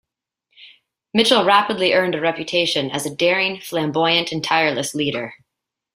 Mitchell rapidly earned a reputation as a daring, flamboyant, and tireless leader.